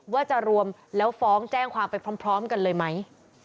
ว่าจะรวมแล้วฟ้องแจ้งความไปพร้อมกันเลยไหม